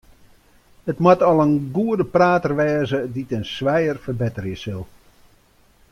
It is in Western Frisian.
It moat al in goede prater wêze dy't it in swijer ferbetterje sil.